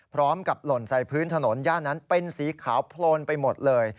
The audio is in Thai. หล่นใส่พื้นถนนย่านนั้นเป็นสีขาวโพลนไปหมดเลย